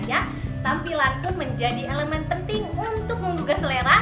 ya tampilan pun menjadi elemen penting untuk menggugah selera